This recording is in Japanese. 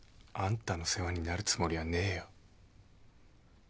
あんたの世話になるつもりはねえよ。